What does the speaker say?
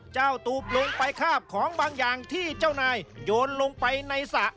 ตูบลงไปคาบของบางอย่างที่เจ้านายโยนลงไปในสระ